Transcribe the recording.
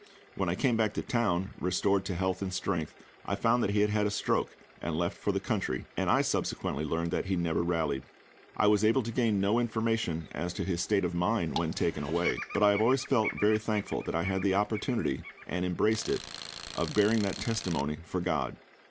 When I came back to town, restored to health and strength, I found that he had had a stroke, and left for the country; and I subsequently learned that he never rallied. I was able to gain no information as to his state of mind when taken away; but I have always felt very thankful that I had the opportunity, and embraced it, of bearing that testimony for GOD.